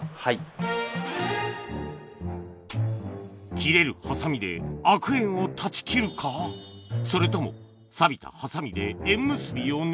切れるハサミで悪縁を断ち切るかそれともさびたハサミで縁結びを願うか